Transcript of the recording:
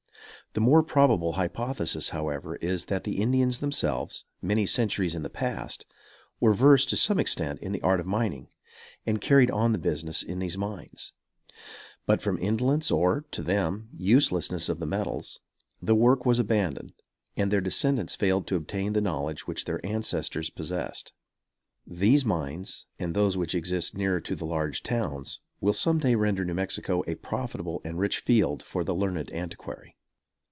The more probable hypothesis, however, is that the Indians themselves, many centuries in the past, were versed to some extent in the art of mining, and carried on the business in these mines; but from indolence or, to them, uselessness of the metals, the work was abandoned, and their descendants failed to obtain the knowledge which their ancestors possessed. These mines, and those which exist nearer to the large towns, will some day render New Mexico a profitable and rich field for the learned antiquary.